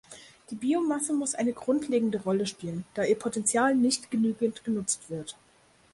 Die Biomasse muss eine grundlegende Rolle spielen, da ihr Potenzial nicht genügend genutzt wird.